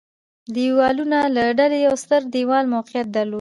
دېوالونو له ډلې یو ستر دېوال موقعیت درلود.